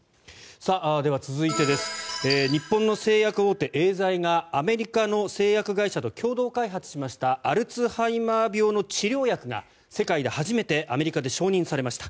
では、続いて日本の製薬大手エーザイがアメリカの製薬会社と共同開発しましたアルツハイマー病の治療薬が世界で初めてアメリカで承認されました。